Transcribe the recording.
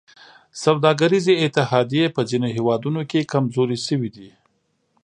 سوداګریزې اتحادیې په ځینو هېوادونو کې کمزورې شوي دي